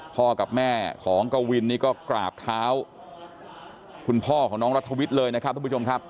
พ่อกับแม่ของกวินนี่ก็กราบเท้าคุณพ่อของน้องรัฐวิทย์เลยนะครับทุกผู้ชมครับ